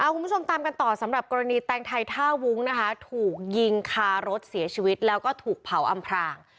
คุณผู้ชมตามกันต่อสำหรับกรณีแตงไทยท่าวุ้งนะคะถูกยิงคารถเสียชีวิตแล้วก็ถูกเผาอำพราง